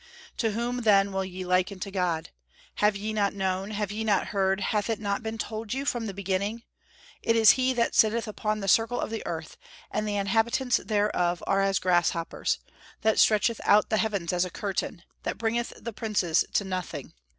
"To whom then will ye liken God? Have ye not known, have ye not heard, hath it not been told you from the beginning? It is He that sitteth upon the circle of the earth, and the inhabitants thereof are as grasshoppers; that stretcheth out the heavens as a curtain, that bringeth the princes to nothing.